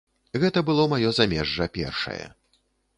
Гэта было маё замежжа першае.